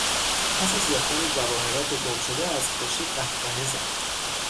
پس از یافتن جواهرات گمشده از خوشی قهقهه زد.